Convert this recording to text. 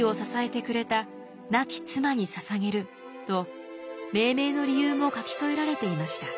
と命名の理由も書き添えられていました。